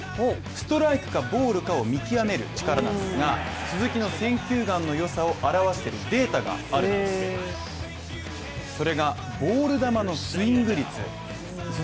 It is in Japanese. ストライクかボールかを見極める力なんですが鈴木の選球眼の良さを表しているデータがあるんですそれがボール球のスイング率です